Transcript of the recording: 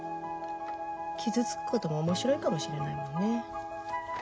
傷つくことも面白いかもしれないもんね。